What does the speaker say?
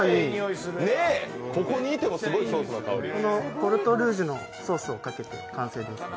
ポルトルージュソースをかけて完成です。